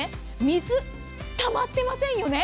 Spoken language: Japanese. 水、たまってませんよね？